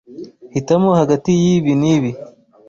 Hitamo hagati yibi n'ibi.